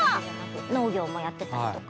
農業もやってたりとか。